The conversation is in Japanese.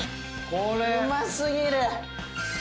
うま過ぎる！